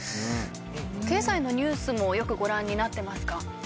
経済のニュースもよくご覧になってますか？